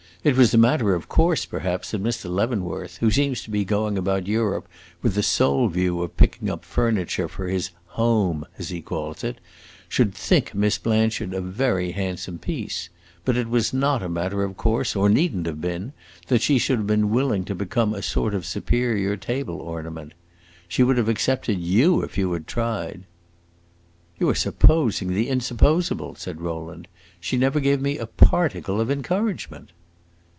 "It was a matter of course, perhaps, that Mr. Leavenworth, who seems to be going about Europe with the sole view of picking up furniture for his 'home,' as he calls it, should think Miss Blanchard a very handsome piece; but it was not a matter of course or it need n't have been that she should be willing to become a sort of superior table ornament. She would have accepted you if you had tried." "You are supposing the insupposable," said Rowland. "She never gave me a particle of encouragement."